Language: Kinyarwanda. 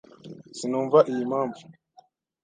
Sinumva iyi mpamvu.